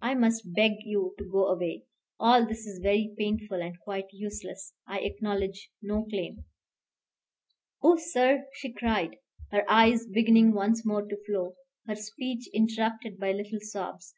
I must beg you to go away. All this is very painful and quite useless. I acknowledge no claim." "Oh, sir," she cried, her eyes beginning once more to flow, her speech interrupted by little sobs.